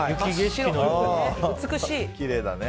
美しい！